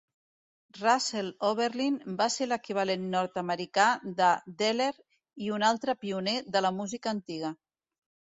Russell Oberlin va ser l'equivalent nord-americà de Deller i un altre pioner de la música antiga.